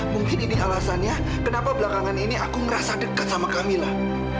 mungkin ini alasannya kenapa belakangan ini aku merasa dekat sama kamilah